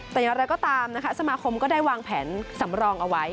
แต่อย่างไรก็ตามนะคะสมาคมก็ได้วางแผนสำรองเอาไว้